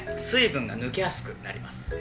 水分が抜けやすくなります。